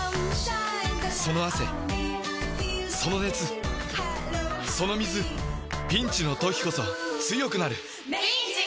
その汗その熱その水ピンチの時こそ強くなる！